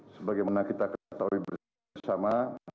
sebagai mana kita ketahui bersama